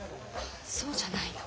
そうじゃないの。